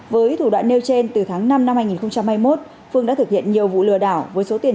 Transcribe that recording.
với thủ đoạn nêu trên từ tháng năm năm hai nghìn hai mươi một phương đã thực hiện nhiều vụ lừa đảo với số tiền